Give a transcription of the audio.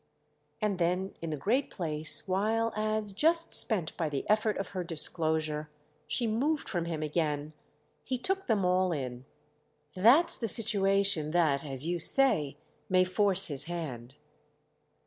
And then, in the great place, while as, just spent by the effort of her disclosure, she moved from him again, he took them all in. "That's the situation that, as you say, may force his hand."